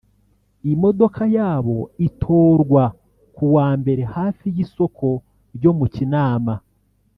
imodoka yabo itorwa ku wa Mbere hafi y’isoko ryo mu Kinama